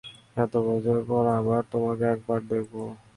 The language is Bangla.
এত বছর পর আবার তোমাকে একবার দেখবো।